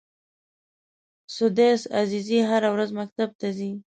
سُدیس عزیزي هره ورځ مکتب ته ځي.